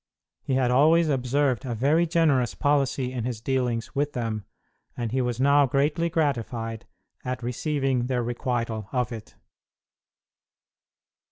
He had always observed a very generous policy in his dealings with them, and he was now greatly gratified at receiving their requital of it.